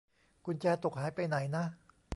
กุญแจตกหายไปไหนนะ